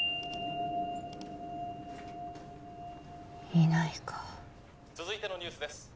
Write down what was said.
いないか続いてのニュースです